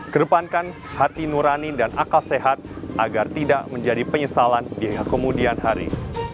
kedepankan hati nurani dan akal sehat agar tidak menjadi penyesalan di kemudian hari